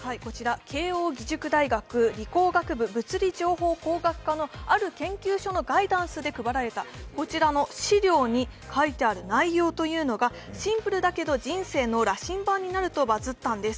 慶応義塾大学理工学部地球環境学科のある研究所のガイダンスで配られた資料に書いてある内容というのが、シンプルだけど人生の羅針盤になるとバズったんです。